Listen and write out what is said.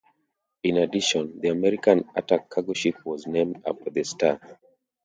In addition, the American attack cargo ship was named after the star.